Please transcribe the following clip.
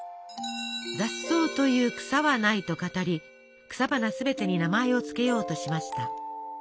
「雑草という草はない」と語り草花すべてに名前を付けようとしました。